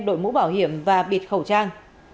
đội mũ bảo hiểm và bịt khẩu trang